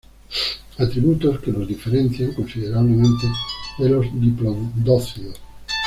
Atributos que los diferencian considerablemente de los diplodócidos.